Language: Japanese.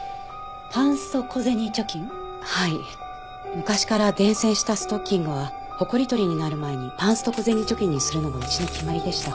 昔から伝線したストッキングはホコリ取りになる前にパンスト小銭貯金にするのがうちの決まりでした。